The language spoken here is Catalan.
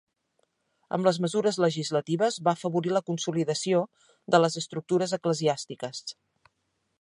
Amb les mesures legislatives va afavorir la consolidació de les estructures eclesiàstiques.